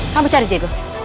kamu cari diego